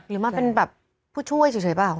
หรือมาเป็นแบบผู้ช่วยเฉยเปล่า